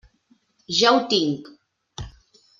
Ja ho tinc!